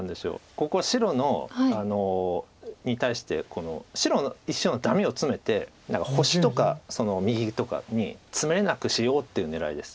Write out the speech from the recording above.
ここは白に対して白の石のダメをツメて星とかその右とかにツメれなくしようっていう狙いです